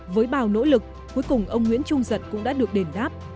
với bao nỗ lực cuối cùng ông nguyễn trung giật cũng đã được đền đáp